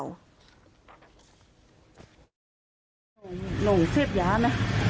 จะลงเชฟย้าเนี่ย